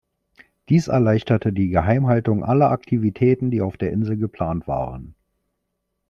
Dies erleichterte die Geheimhaltung aller Aktivitäten, die auf der Insel geplant waren.